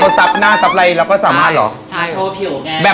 ที่โทรศัพท์หน้าทรัพย์ไลน์เราก็สามารถเหรอ